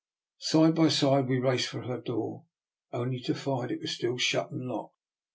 Side by side we raced for her door, only to find it was still shut and locked.